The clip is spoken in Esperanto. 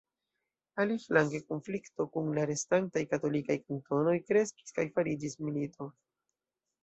Aliflanke, konflikto kun la restantaj katolikaj kantonoj kreskis kaj fariĝis milito.